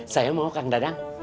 saya mau kang dadang